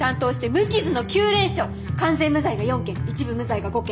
完全無罪が４件一部無罪が５件。